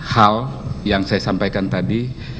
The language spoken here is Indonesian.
hal yang saya sampaikan tadi